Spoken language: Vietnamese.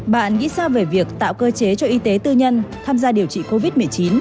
bạn nghĩ sao về việc tạo cơ chế cho y tế tư nhân tham gia điều trị covid một mươi chín